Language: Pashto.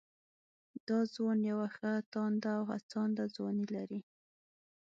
دا ځوان يوه ښه تانده او هڅانده ځواني لري